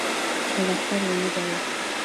خو لښکر ونه درېد.